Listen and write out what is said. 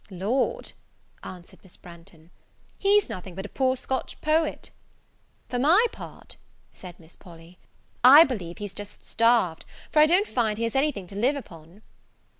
"Lord!" answered Miss Branghton, "he's nothing but a poor Scotch poet." "For my part," said Miss Polly, "I believe he's just starved, for I don't find he has anything to live upon."